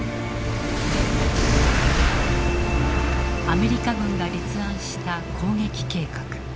アメリカ軍が立案した攻撃計画。